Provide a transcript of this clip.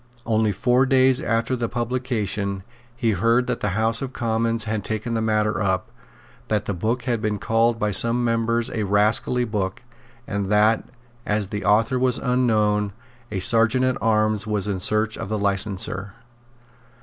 Only four days after the publication he heard that the House of Commons had taken the matter up, that the book had been called by some members a rascally book, and that, as the author was unknown, the Serjeant at Arms was in search of the licenser.